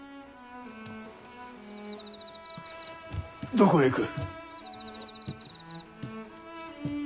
どこへ行く。